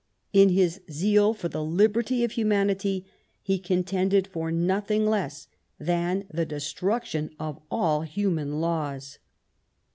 In his zeal for the liberty of humanity, he contended for nothing less than the destruction of all human laws.